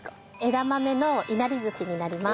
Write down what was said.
枝豆の稲荷寿司になります。